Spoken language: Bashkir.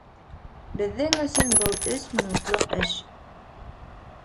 — Беҙҙең өсөн был өс минутлыҡ эш.